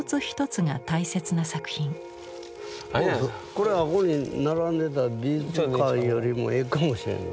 これあこに並んでた美術館よりもええかもしれんね